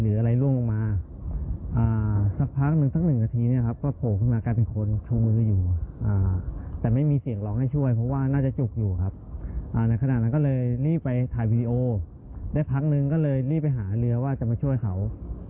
แล้วพักนึงก็เลยรีบไปหาเรือว่าจะมาช่วยเขา